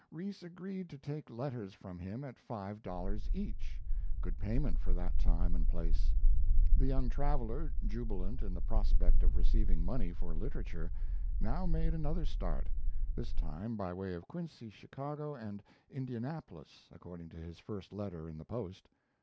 Rees agreed to take letters from him at five dollars each good payment for that time and place. The young traveler, jubilant in the prospect of receiving money for literature, now made another start, this time by way of Quincy, Chicago, and Indianapolis according to his first letter in the Post.